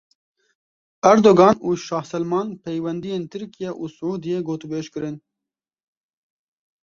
Erdogan û Şah Selman peywendiyên Tirkiye û Siûdiyê gotûbêj kirin.